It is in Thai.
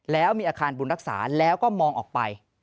แล้วมีอาคารบุญรักษาแล้วก็มองออกไป